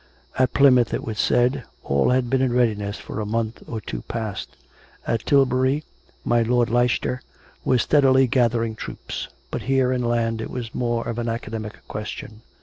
At Plymouth, it was said, all had been in readiness for a month or two past; at Tilbury, my lord Leicester was steadily gathering troops. But here, inland, it was more of an academic question.